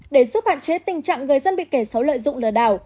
để giúp hạn chế tình trạng người dân bị kẻ xấu lợi dụng lừa đảo